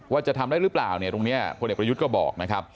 ว่าจะทำได้หรือเปล่าเนี่ยตรงนี้พลเอกประยุทธ์ก็บอกนะครับ